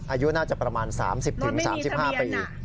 อายุน่าจะประมาณ๓๐๓๕ปี